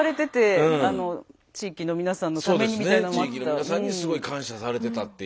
地域の皆さんにすごい感謝されてたっていう。